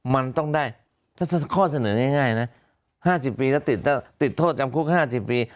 มันต้องได้ถ้าข้อเสนอง่ายนะ๕๐ปีแล้วติดโทษจำคุก๕๐ปี